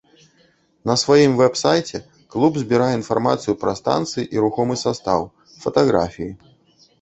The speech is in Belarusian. На сваім вэб-сайце клуб збірае інфармацыю пра станцыі і рухомым састаў, фатаграфіі.